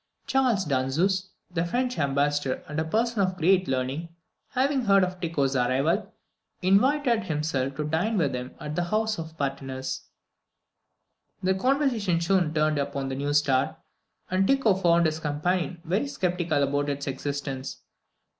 Charles Danzeus, the French ambassador, and a person of great learning, having heard of Tycho's arrival, invited himself to dine with him at the house of Pratensis. The conversation soon turned upon the new star, and Tycho found his companion very sceptical about its existence.